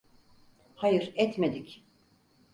Hayır, etmedik!